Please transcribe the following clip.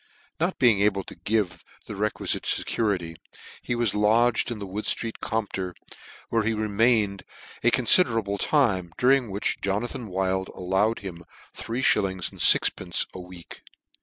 Not being able to give the requifite fecurity, he WHS lodged in Wood ftreet Compter, where he remained a considerable time, during which Jo nathan Wild allowed him three millings and fix pence a week.